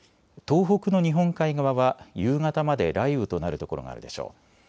東北の日本海側は夕方まで雷雨となる所があるでしょう。